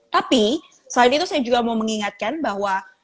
tapi selain itu saya juga mau mengingatkan bahwa